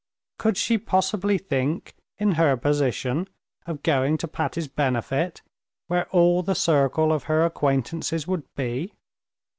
Could she possibly think in her position of going to Patti's benefit, where all the circle of her acquaintances would be?